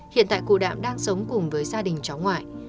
hiện tại cụ đạm đang sống cùng với gia đình cháu ngoại